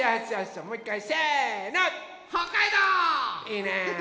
いいね。